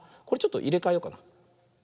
これちょっといれかえようかな。